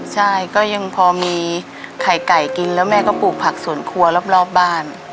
ใช่ก็ยังพอมีไข่ไก่กินแล้วแม่ก็ปลูกผักสวนครัวรอบบ้าน